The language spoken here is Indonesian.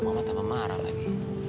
mama tambah marah lagi